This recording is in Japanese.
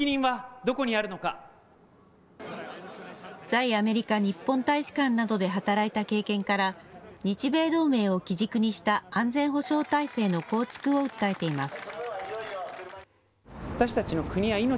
在アメリカ日本大使館などで働いた経験から日米同盟を基軸にした安全保障体制の構築を訴えています。